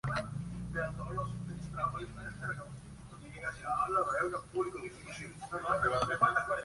No obstante, Mussolini había permitido la edición de la revista.